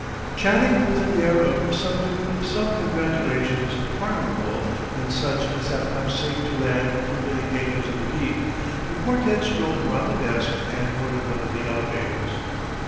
Chatting with an air of subdued self congratulation pardonable in such as have come safe to land through many dangers of the deep, the quartet strolled round the desk and boarded one of the elevators.